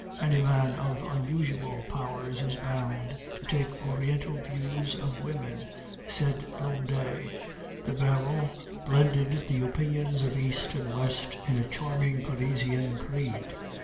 "Any man of unusual powers is bound to take Oriental views of women," said Blondet. "The Baron blended the opinions of East and West in a charming Parisian creed.